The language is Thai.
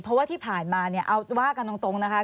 เพราะว่าที่ผ่านมาเนี่ยเอาว่ากันตรงนะคะ